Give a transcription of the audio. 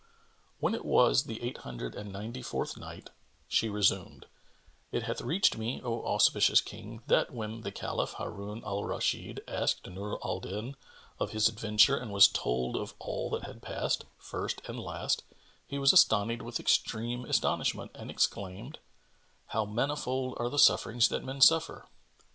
When it was the Eight Hundred and Ninety fourth Night, She resumed, It hath reached me, O auspicious King, that when the Caliph Harun al Rashid asked Nur al Din of his adventure and was told of all that had passed, first and last, he was astonied with extreme astonishment and exclaimed, "How manifold are the sufferings that men suffer!"